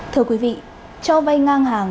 thưa quý vị cho vay ngang hàng